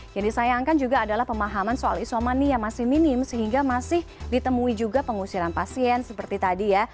yang disayangkan juga adalah pemahaman soal isomani yang masih minim sehingga masih ditemui juga pengusiran pasien seperti tadi ya